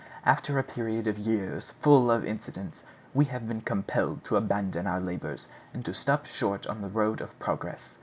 After a period of years full of incidents we have been compelled to abandon our labors, and to stop short on the road of progress.